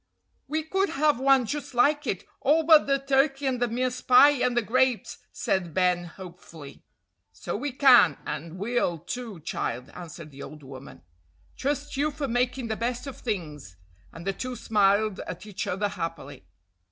"We could have one just like it, all but the turkey and the mince pie and the grapes," said Ben hopefully. "So we can, and will, too, child," answered the old woman. "Trust you for making the best of things," and the two smiled at each other happily.